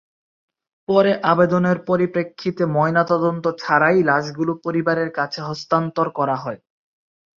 পরে আবেদনের পরিপ্রেক্ষিতে ময়নাতদন্ত ছাড়াই লাশগুলো পরিবারের কাছে হস্তান্তর করা হয়।